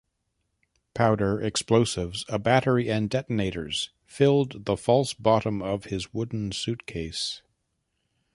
Powder, explosives, a battery and detonators filled the false bottom of his wooden suitcase.